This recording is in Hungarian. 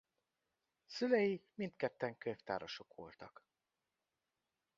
Szülei mindketten könyvtárosok voltak.